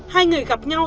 hai người gặp nhau